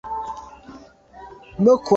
Me kwa’ neta.